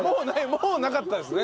もうなかったですね。